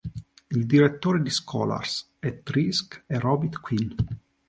Il direttore di Scholars at Risk è Rob Quinn.